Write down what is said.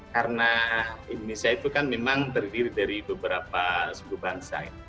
karena indonesia itu kan memang terdiri dari beberapa suku bangsa